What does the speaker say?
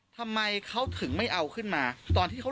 ทำไมเขาถึงไม่เอาขึ้นมาตอนที่เขา